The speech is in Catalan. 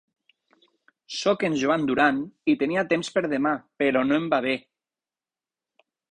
Soc en Joan Duran i tenia temps per demà, però no em va bé.